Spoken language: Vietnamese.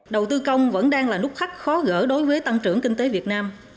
đầu tư công vẫn đang là nút thắt khó gỡ đối với tăng trưởng kinh tế việt nam